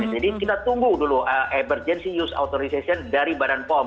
jadi kita tunggu dulu emergency use authorization dari badan pom